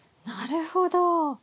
なるほど。